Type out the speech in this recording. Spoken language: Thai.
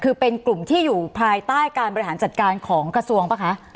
คือเป็นกลุ่มที่อยู่ภายใต้การบริหารจัดการของกระทรวงป่ะคะ